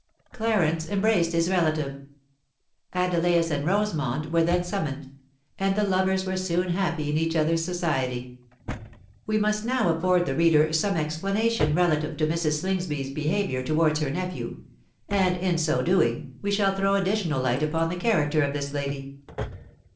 Clarence embraced his relative: Adelais and Rosamond were then summoned; and the lovers were soon happy in each other's society. We must now afford the reader some explanation relative to Mrs. Slingsby's behaviour towards her nephew: and, in so doing, we shall throw additional light upon the character of this lady.